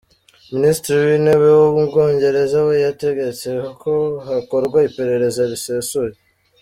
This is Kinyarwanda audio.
Minisitiri w'intebe w'Ubwongereza we yategetse ko hakorwa iperereza risesuye.